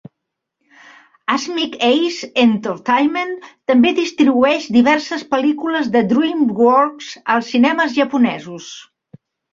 Asmik Ace Entertainment també distribueix diverses pel·lícules de DreamWorks als cinemes japonesos.